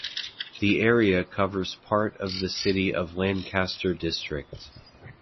The area covers part of the City of Lancaster District.